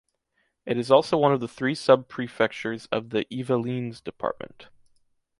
It is also one of the three sub-prefectures of the Yvelines department.